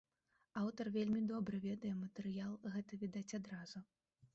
Аўтар вельмі добра ведае матэрыял, гэта відаць адразу.